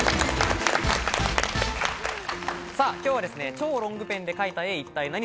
今日は「超ロングペンで描いた絵一体ナニ！？」